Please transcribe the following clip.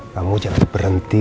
kamu jangan berhenti